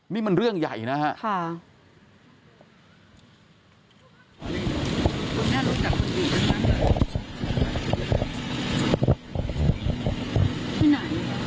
นี่มันเรื่องใหญ่นะฮะ